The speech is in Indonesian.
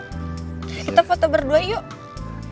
kita foto berdoa yuk